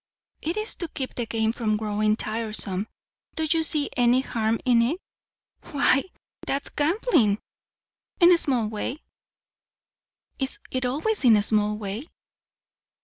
"It is to keep the game from growing tiresome. Do you see any harm in it?" "Why, that's gambling." "In a small way." "Is it always in a small way?"